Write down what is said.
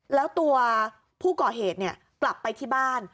แล้วตัวผู้ก่อเหตุกลับไปที่บ้าน